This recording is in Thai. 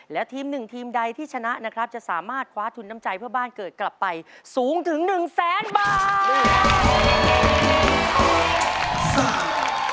และทีมหนึ่งทีมใดที่ชนะนะครับจะสามารถคว้าทุนน้ำใจเพื่อบ้านเกิดกลับไปสูงถึง๑แสนบาท